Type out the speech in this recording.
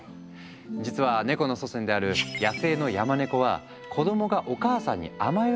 実はネコの祖先である野生のヤマネコは子供がお母さんに甘える